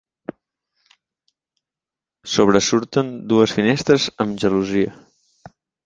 Sobresurten dues finestres amb gelosia.